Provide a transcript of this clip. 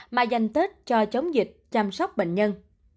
mà dành tết cho chống dịch chăm sóc bệnh nhân